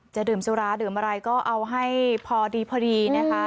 จะดื่มสุราดื่มอะไรก็เอาให้พอดีพอดีนะคะ